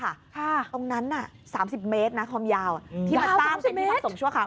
ตรงนั้นน่ะสามสิบเมตรนะความยาวที่มาสร้างเป็นที่พักสงชั่วครา